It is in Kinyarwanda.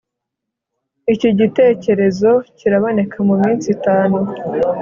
iki gitekerezo kiraboneka muminsi itanu